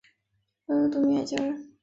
后由杜明远接任。